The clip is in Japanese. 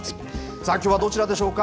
さあきょうはどちらでしょうか。